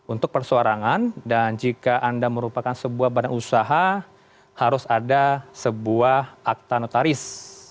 untuk persoarangan dan jika anda merupakan sebuah badan usaha harus ada sebuah akta notaris